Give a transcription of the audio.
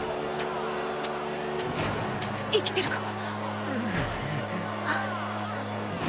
生きてるか⁉んん。